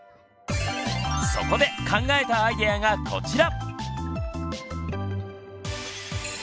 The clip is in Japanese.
そこで考えたアイデアがこちら！